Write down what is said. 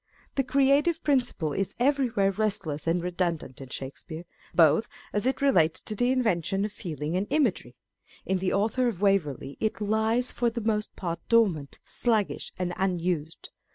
The creative principle is everywhere restless and redundant in Shakespeare, both as it relates to the invention of feeling and imagery ; in the Author of Waverley it lies for the most part dormant, bluggish, and unused.